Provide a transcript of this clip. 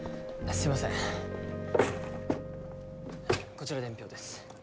こちら伝票です。